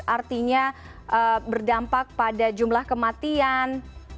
artinya berdampak pada jumlah kematian